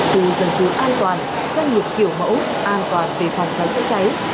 tù dân cư an toàn doanh nghiệp kiểu mẫu an toàn về phòng cháy cháy cháy